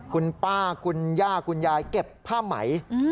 คุณป้าคุณย่าคุณยายเก็บผ้าไหม